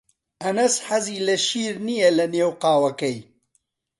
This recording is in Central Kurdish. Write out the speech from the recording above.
ئەنەس حەزی لە شیر نییە لەنێو قاوەکەی.